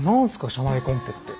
社内コンペって。